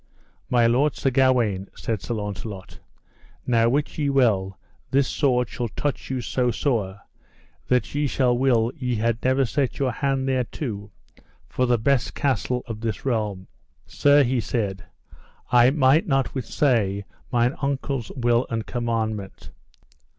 My lord Sir Gawaine, said Sir Launcelot, now wit ye well this sword shall touch you so sore that ye shall will ye had never set your hand thereto for the best castle of this realm. Sir, he said, I might not withsay mine uncle's will and commandment.